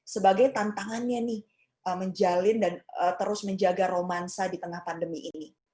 sebagai tantangannya nih menjalin dan terus menjaga romansa di tengah pandemi ini